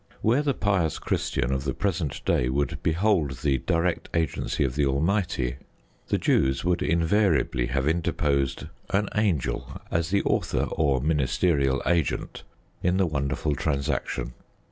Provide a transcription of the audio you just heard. Where the pious Christian of the present day would behold the direct Agency of the Almighty, the Jews would invariably have interposed an angel as the author or ministerial agent in the wonderful transaction.